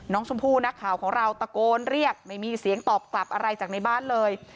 น้องชมพู่นักข่าวของเราตะโกนเรียกไม่มีเสียงตอบกลับอะไรจากในบ้านเลย